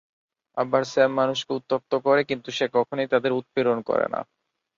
আবার, স্যাম মানুষকে উত্ত্যক্ত করে, কিন্তু সে কখনোই তাদের উৎপীড়ন করে না।